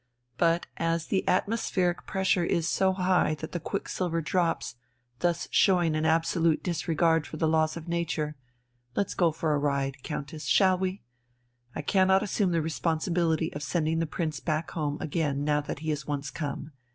But as the atmospheric pressure is so high that the quicksilver drops, thus showing an absolute disregard for the laws of nature, let's go for a ride, Countess shall we? I cannot assume the responsibility of sending the Prince back home again now that he has once come.